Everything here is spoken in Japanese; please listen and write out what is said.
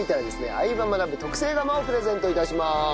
『相葉マナブ』特製釜をプレゼント致します。